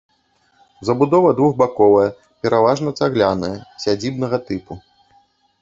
Забудова двухбаковая, пераважна цагляная, сядзібнага тыпу.